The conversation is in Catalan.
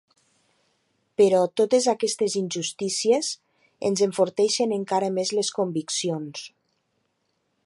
Però totes aquestes injustícies ens enforteixen encara més les conviccions.